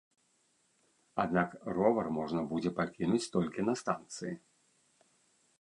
Аднак ровар можна будзе пакінуць толькі на станцыі.